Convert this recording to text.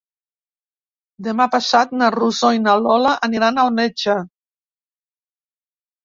Demà passat na Rosó i na Lola aniran al metge.